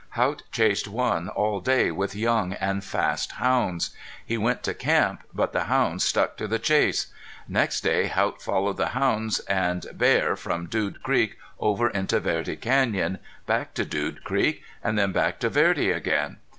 Haught chased one all day with young and fast hounds. He went to camp, but the hounds stuck to the chase. Next day Haught followed the hounds and bear from Dude Creek over into Verde Canyon, back to Dude Creek, and then back to Verde again.